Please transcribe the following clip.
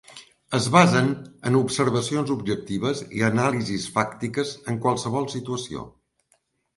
Es basen en observacions objectives i anàlisis fàctiques en qualsevol situació.